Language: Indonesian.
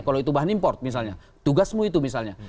kalau itu bahan import misalnya tugasmu itu misalnya